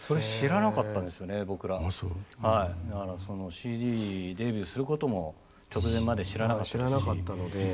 ＣＤデビューすることも直前まで知らなかったですし。